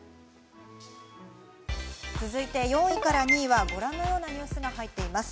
続いて４位から２位はご覧のようなニュースが入っています。